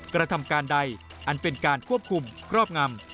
กระทำการใดอันเป็นการควบคุมครอบงำ